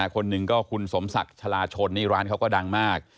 คนหนึ่งก็คุณสมศักดิ์ชะลาชนนี่ร้านเขาก็ดังมาก